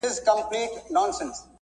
پدې سره ويلای سو چي هيڅ اصيل